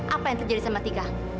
apa yang terjadi sama tika